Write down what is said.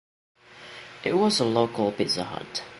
It was a local Pizza Hut.